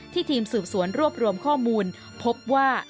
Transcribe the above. ทีมสืบสวนรวบรวมข้อมูลพบว่า